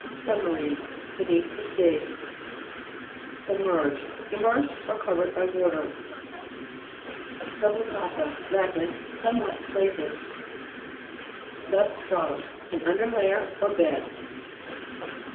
SUBMARINE Beneath the sea. SUBMERGED Immersed or covered by water. SUBPLICA'TA Lat. Somewhat plait ed. SUBSIDENCE (p. 99). SUBSTRATUM An under layer or bed.